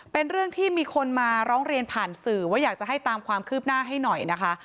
เป็นเรื่องที่มีคนมาร้องเรียนผ่านสื่อว่าอยากจะให้ตามความคืบหน้าให้หน่อยนะคะ